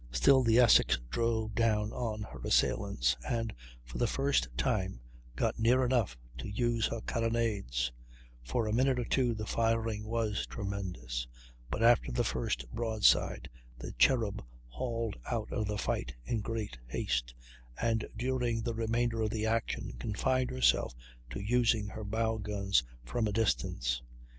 Still the Essex drove down on her assailants, and for the first time got near enough to use her carronades; for a minute or two the firing was tremendous, but after the first broadside the Cherub hauled out of the fight in great haste, and during the remainder of the action confined herself to using her bow guns from a distance.